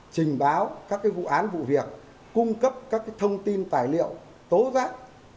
trình báo các vụ án vụ việc cung cấp các thông tin tài liệu tố giác